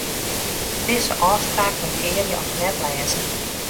Dizze ôfspraak markearje as net-lêzen.